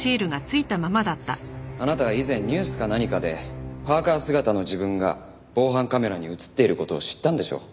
あなたは以前ニュースか何かでパーカ姿の自分が防犯カメラに映っている事を知ったんでしょう。